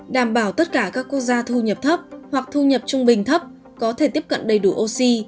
đảm bảo tất cả các quốc gia thu nhập thấp hoặc thu nhập trung bình thấp có thể tiếp cận đầy đủ oxy